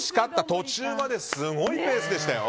途中まですごいペースでしたよ。